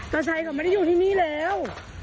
ตาชัยเขาไม่ได้อยู่ที่นี่แล้ว